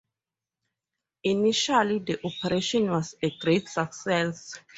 Initially the operation was a great success.